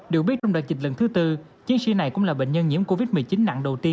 được biết trong đợt dịch lần thứ tư chiến sĩ này cũng là bệnh nhân nhiễm covid một mươi chín nặng đầu tiên